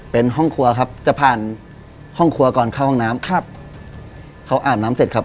เป็นห้องครัวครับจะผ่านห้องครัวก่อนเข้าห้องน้ำครับเขาอาบน้ำเสร็จครับ